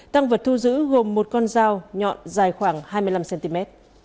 tăng vật thu giữ gồm một con dao nhọn dài khoảng hai mươi năm cm